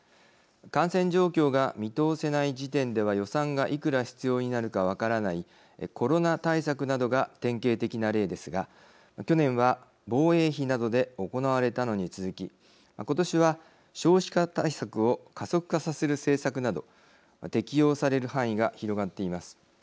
感染状況が見通せない時点では予算がいくら必要になるか分からないコロナ対策などが典型的な例ですが去年は防衛費などで行われたのに続き今年は少子化対策を加速化させる政策など適用される範囲が広がっています。